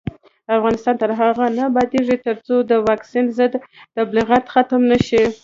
افغانستان تر هغو نه ابادیږي، ترڅو د واکسین ضد تبلیغات ختم نشي.